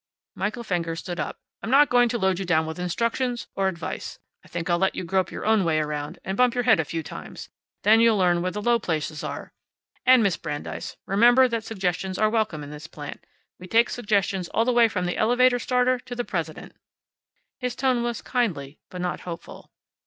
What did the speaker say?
Michael Fenger stood up. "I'm not going to load you down with instructions, or advice. I think I'll let you grope your own way around, and bump your head a few times. Then you'll learn where the low places are. And, Miss Brandeis, remember that suggestions are welcome in this plant. We take suggestions all the way from the elevator starter to the president." His tone was kindly, but not hopeful.